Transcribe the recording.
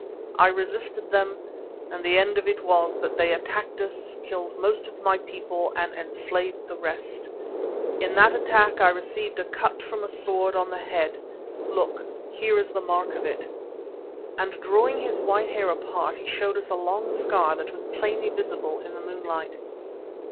I resisted them, and the end of it was that they attacked us, killed most of my people and enslaved the rest. In that attack I received a cut from a sword on the head look, here is the mark of it," and drawing his white hair apart he showed us a long scar that was plainly visible in the moonlight.